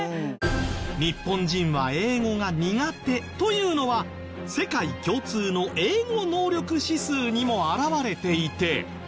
日本人は英語が苦手というのは世界共通の英語能力指数にも表れていて。